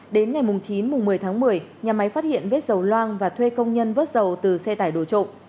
đến ngày chín một mươi tháng một mươi nhà máy phát hiện vết dầu loang và thuê công nhân vớt dầu từ xe tải đổ trộm